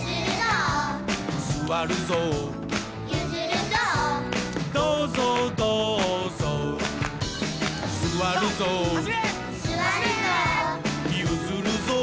「すわるぞう」「どうぞうどうぞう」「すわるぞう」「ゆずるぞう」